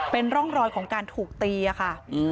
เป็นร่องรอยของการถูกตีค่ะ